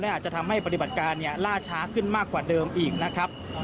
อาจจะทำให้ปฏิบัติการล่าช้าขึ้นมากกว่าเดิมอีกนะครับ